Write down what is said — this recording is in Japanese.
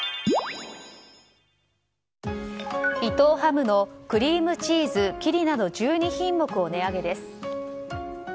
伊藤ハムのクリームチーズキリなど１２品目を値上げです。